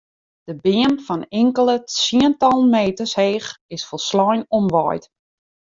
De beam fan inkelde tsientallen meters heech is folslein omwaaid.